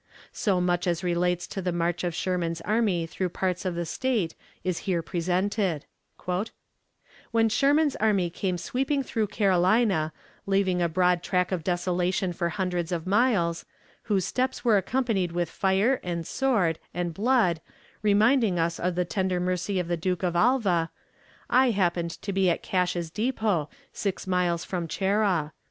So much as relates to the march of Sherman's army through parts of the State is here presented: "When Sherman's army came sweeping through Carolina, leaving a broad track of desolation for hundreds of miles, whose steps were accompanied with fire, and sword, and blood, reminding us of the tender mercies of the Duke of Alva, I happened to be at Cash's Depot, six miles from Cheraw.